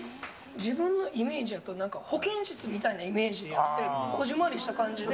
自分のイメージやと、なんか保健室みたいなイメージやって、こじんまりした感じで。